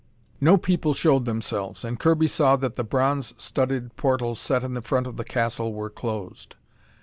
No people showed themselves, and Kirby saw that the bronze studded portals set in the front of the castle were closed.